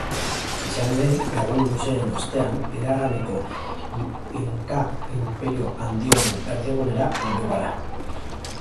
Izan ere, egun luzeen ostean iraganeko Inkainperio handi honen erdigunera heldu gara.